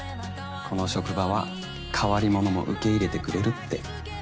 この職場は変わり者も受け入れてくれるって。